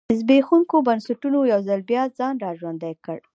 زبېښونکو بنسټونو یو ځل بیا ځان را ژوندی کړ.